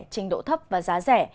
trình độ thấp và giá rẻ